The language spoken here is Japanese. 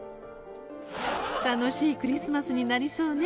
楽しいクリスマスになりそうね。